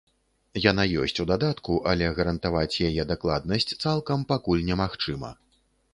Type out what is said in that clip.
Яна ёсць у дадатку, але гарантаваць яе дакладнасць цалкам пакуль не магчыма.